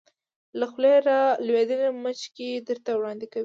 له خولې را لویدلې مچکې درته وړاندې کوې